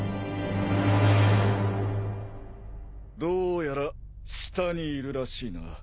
どうやら下にいるらしいな。